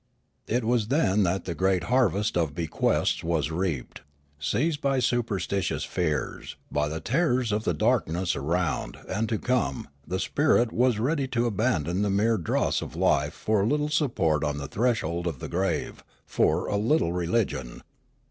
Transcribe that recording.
It was then that the great har vest of bequests was reaped ; seized by superstitious fears, by the terrors of the darkness around and to come, the spirit was ready to abandon the mere dross of Hfe for a little support on the threshold of the grave, for a little religion.